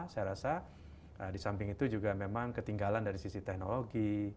saya rasa di samping itu juga memang ketinggalan dari sisi teknologi